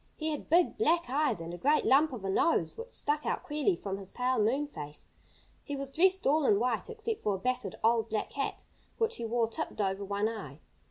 He had big, black eyes and a great lump of a nose, which stuck out queerly from his pale moon face. He was dressed all in white, except for a battered, old, black hat, which he wore tipped over one eye.